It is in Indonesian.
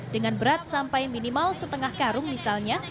dengan berat sampai minimal setengah karung misalnya